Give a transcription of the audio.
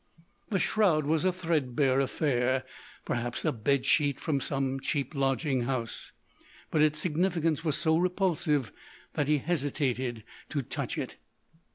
The shroud was a threadbare affair—perhaps a bed sheet from some cheap lodging house. But its significance was so repulsive that he hesitated to touch it.